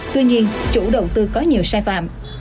tuy nhiên chủ đầu tư có nhiều sai phạm